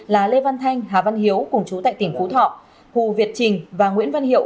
là lê văn thanh hà văn hiếu cùng chú tại tỉnh phú thọ hồ việt trình và nguyễn văn hiệu